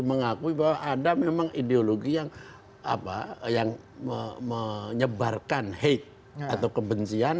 mengakui bahwa ada memang ideologi yang menyebarkan hake atau kebencian